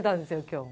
今日。